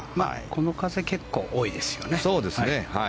この風結構多いですよね。